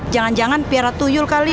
jangan jangan piara tujuh kali